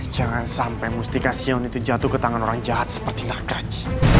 jangan sampai mustikasion itu jatuh ke tangan orang jahat seperti nagraj